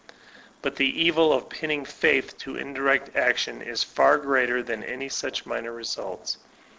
But the evil of pinning faith to indirect action is far greater than any such minor results.